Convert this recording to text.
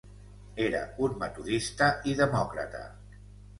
Era un metodista i demòcrata.